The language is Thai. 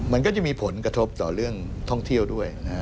มันก็จะมีผลกระทบต่อเรื่องท่องเที่ยวด้วยนะฮะ